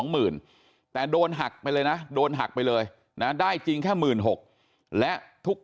หมื่นแต่โดนหักไปเลยนะโดนหักไปเลยนะได้จริงแค่๑๖๐๐และทุก